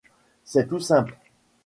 C’est tout simple